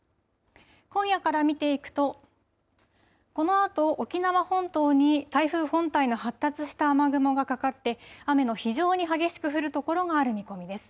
今夜から見ていくとこのあと沖縄本島に台風本体の発達した雨雲がかかって雨の非常に激しく降る所がある見込みです。